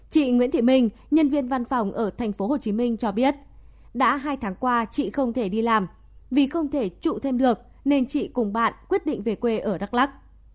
chị nguyễn thị minh nhân viên văn phòng ở tp hcm cho biết đã hai tháng qua chị không thể đi làm vì không thể trụ thêm được nên chị cùng bạn quyết định về quê ở đắk lắc